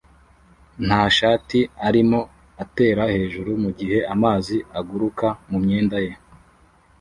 nta shati arimo atera hejuru mugihe amazi aguruka mumyenda ye